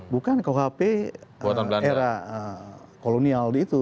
bukan kuhp era kolonial itu